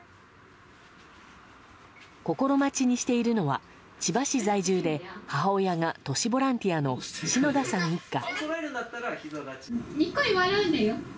心待ちにしているのは千葉市在住で母親が都市ボランティアの篠田さん一家。